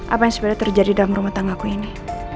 apa yang sebenarnya terjadi dalam rumah tangga gue ini